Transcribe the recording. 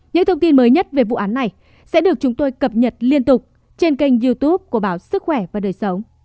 những thông tin mới nhất về vụ án này sẽ được chúng tôi cập nhật liên tục trên kênh youtube của báo sức khỏe và đời sống